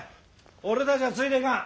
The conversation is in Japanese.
俺たちはついていかん。